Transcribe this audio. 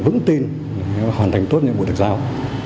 vững tin hoàn thành tốt những buổi thực giao